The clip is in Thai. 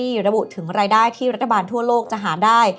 ระบุถึงรายได้ที่รัฐบาลทั่วโลกจะหาได้